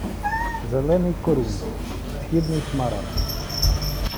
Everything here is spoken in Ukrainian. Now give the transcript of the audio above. Зелений корунд – східний смарагд